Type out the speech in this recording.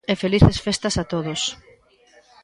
E felices festas a todos.